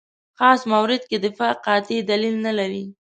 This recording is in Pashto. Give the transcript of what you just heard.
خاص مورد کې دفاع قاطع دلیل نه لري.